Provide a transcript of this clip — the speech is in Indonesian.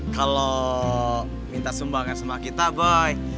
kalau minta sumbangan sama kita baik